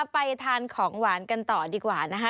ไปทานของหวานกันต่อดีกว่านะคะ